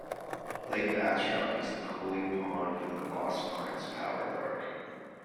Lake Bastrop is the cooling pond for the Lost Pines Power Park.